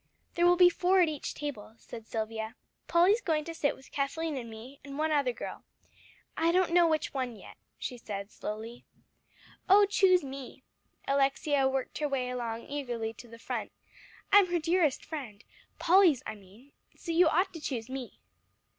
"There will be four at each table," said Silvia. "Polly's going to sit with Kathleen and me, and one other girl I don't know which one yet," she said slowly. "Oh, choose me." Alexia worked her way along eagerly to the front. "I'm her dearest friend Polly's, I mean. So you ought to choose me."